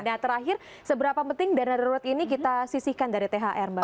nah terakhir seberapa penting dana darurat ini kita sisihkan dari thr mbak